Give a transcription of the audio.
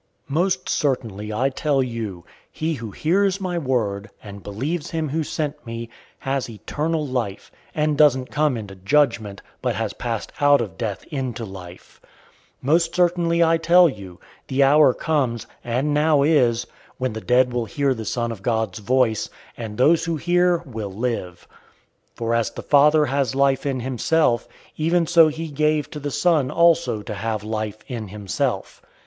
005:024 "Most certainly I tell you, he who hears my word, and believes him who sent me, has eternal life, and doesn't come into judgment, but has passed out of death into life. 005:025 Most certainly, I tell you, the hour comes, and now is, when the dead will hear the Son of God's voice; and those who hear will live. 005:026 For as the Father has life in himself, even so he gave to the Son also to have life in himself.